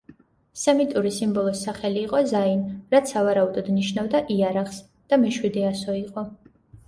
სემიტური სიმბოლოს სახელი იყო ზაინ, რაც სავარაუდოდ ნიშნავდა იარაღს და მეშვიდე ასო იყო.